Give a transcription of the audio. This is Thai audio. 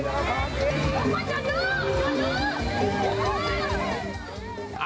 โอ้โฮโอ้โฮโอ้โฮโอ้โฮโอ้โฮโอ้โฮโอ้โฮ